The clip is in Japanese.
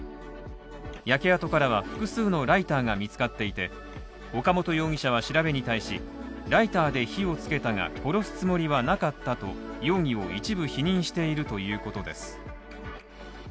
焼け跡からは複数のライターが見つかっていて、岡本容疑者は調べに対しライターで火をつけたが、殺すつもりはなかったと容疑を一部否認しているということです。